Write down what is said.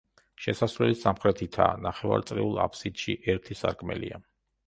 შესასვლელი სამხრეთითაა, ნახევარწრიულ აფსიდში ერთი სარკმელია.